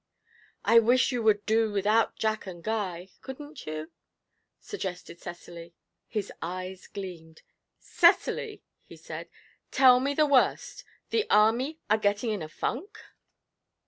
'I wish you would do without Jack and Guy. Couldn't you?' suggested Cecily. His eyes gleamed. 'Cecily,' he said, 'tell me the worst the army are getting in a funk?'